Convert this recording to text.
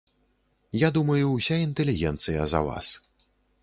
Я думаю ўся інтэлігенцыя за вас!